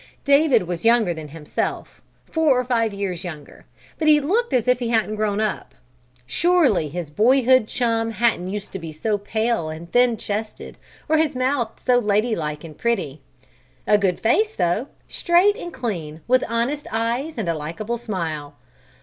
David was younger than himself, four or five years younger, but he looked as if he hadn't grown up. Surely his boyhood chum hadn't used to be so pale and thin chested or his mouth so ladylike and pretty. A good face, though; straight and clean, with honest eyes and a likable smile.